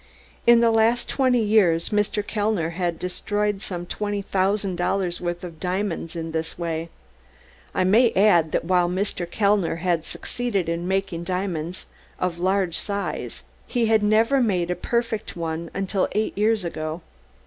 In the last twenty years Mr. Kellner had destroyed some twenty thousand dollars' worth of diamonds in this way. I may add that while Mr. Kellner had succeeded in making diamonds of large size he had never made a perfect one until eight years ago.